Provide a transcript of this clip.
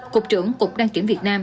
cục trưởng cục đăng kiểm việt nam